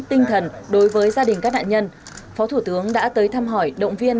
tinh thần đối với gia đình các nạn nhân phó thủ tướng đã tới thăm hỏi động viên